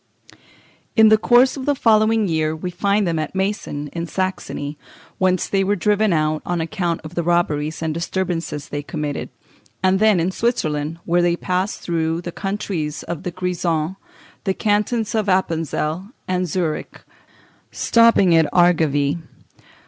] In the course of the following year we find them at Meissen, in Saxony, whence they were driven out on account of the robberies and disturbances they committed; and then in Switzerland, where they passed through the countries of the Grisons, the cantons of Appenzell, and Zurich, stopping in Argovie.